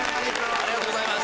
ありがとうございます。